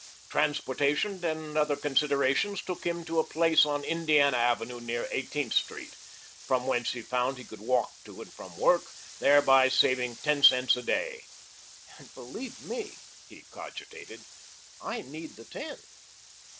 Transportation and other considerations took him to a place on Indiana Avenue near Eighteenth Street, from whence he found he could walk to and from work, thereby saving ten cents a day. "And believe me," he cogitated, "I need the ten."